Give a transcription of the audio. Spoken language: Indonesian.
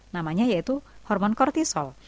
namanya yaitu hormon kortisol